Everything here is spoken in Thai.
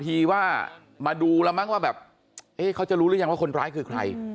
ทีว่ามาดูแล้วมั้งว่าแบบเอ๊ะเขาจะรู้หรือยังว่าคนร้ายคือใคร